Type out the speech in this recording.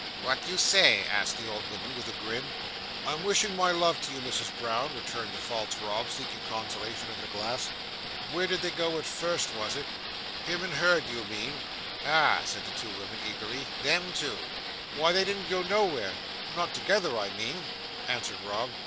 "What do you say?" asked the old woman, with a grin. "I'm wishing my love to you, Misses Brown," returned the false Rob, seeking consolation in the glass. "Where did they go to first was it? Him and her, do you mean?" "Ah!" said the old woman, eagerly. "Them two." "Why, they didn't go nowhere—not together, I mean," answered Rob.